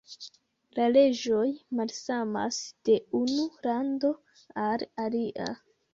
La leĝoj malsamas de unu lando al alia.